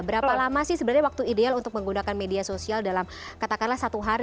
berapa lama sih sebenarnya waktu ideal untuk menggunakan media sosial dalam katakanlah satu hari